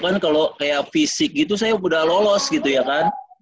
kan kalau kayak fisik gitu saya udah lolos gitu ya kan